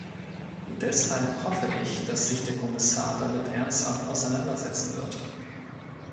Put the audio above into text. Deshalb hoffe ich, dass sich der Kommissar damit ernsthaft auseinander setzen wird.